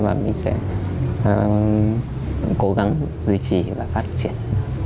và mình sẽ cố gắng duy trì và phát triển